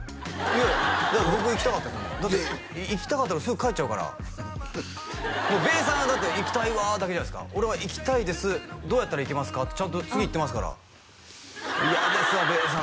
いや僕行きたかったですもんだって行きたかったのにすぐ帰っちゃうからべーさんはだって「行きたいわ」だけじゃないですか俺は「行きたいですどうやったら行けますか？」ってちゃんと次いってますから嫌ですわべーさん